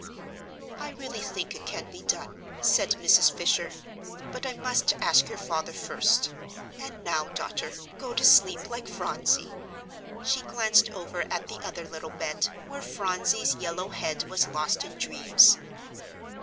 "I really think it can be done," said Mrs. Fisher, "but I must ask your father first. And now, daughter, go to sleep, like Phronsie." She glanced over at the other little bed, where Phronsie's yellow head was lost in dreams.